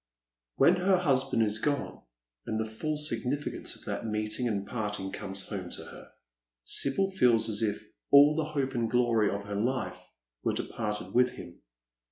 When her husband is gone, and the full significance of that meeting and parting comes home to her, Sibyl feels as if all the hope and glory of her lifo were departed with him.